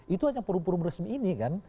itu hanya forum forum resmi ini kan